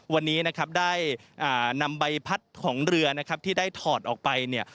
วันนี้ได้นำใบพัดของเรือที่ได้ถอดออกไป